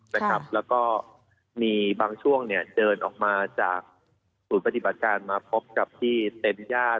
แล้วก็มีบางช่วงเดินออกมาจากศูนย์ปฏิบัติการมาพบกับที่เต็นต์ญาติ